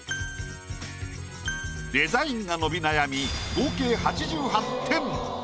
デザインが伸び悩み合計８８点。